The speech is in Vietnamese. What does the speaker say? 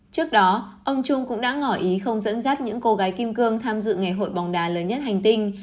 trước đó ông trung cũng đã ngỏ ý không dẫn dắt những cô gái kim cương tham dự ngày hội bóng đá lớn nhất hành tinh